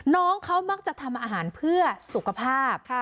น้องเขามักจะทำอาหารเพื่อสุขภาพ